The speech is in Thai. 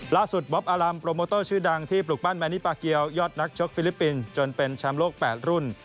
บ๊อบอารัมโปรโมเตอร์ชื่อดังที่ปลูกปั้นแมนิปาเกียวยอดนักชกฟิลิปปินส์จนเป็นแชมป์โลก๘รุ่น